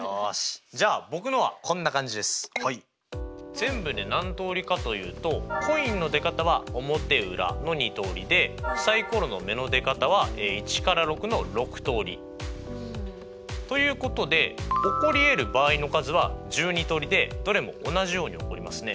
全部で何通りかと言うとコインの出方は表裏の２通りでサイコロの目の出方は１から６の６通り。ということで起こりえる場合の数は１２通りでどれも同じように起こりますね。